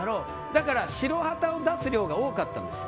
だから白旗を出す量が多かったんです。